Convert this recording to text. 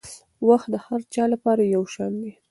وخت د هر چا لپاره یو شان دی.